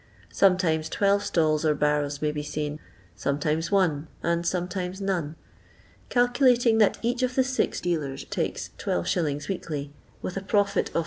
Sometimes twelve stalls or barrows may be seen; sometimes one, and sometimes none. Calculating that each of the six dealers takes 12«. weekly, with a profit of 6«.